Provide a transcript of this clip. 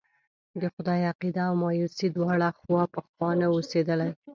د خدای عقيده او مايوسي دواړه خوا په خوا نه اوسېدلی.